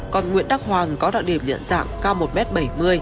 còn nguyễn đắc hoàng có đoạn hiểm nhận dạng cao một m bảy mươi